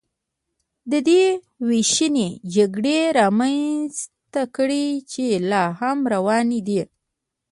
دې وېشنې جګړې رامنځته کړې چې لا هم روانې دي